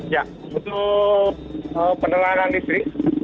ya untuk penelanan listrik